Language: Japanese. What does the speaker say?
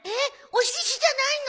お獅子じゃないの？